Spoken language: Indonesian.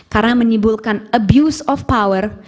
karena menimbulkan abuse of power